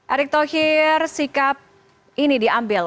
erick thohir sikap ini diambil